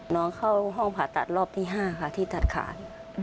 เข้าห้องผ่าตัดรอบที่๕ค่ะที่ตัดขาด